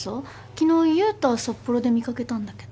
昨日悠太札幌で見掛けたんだけど。